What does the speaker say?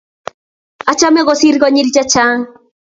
Achame kosir konyil chechang'.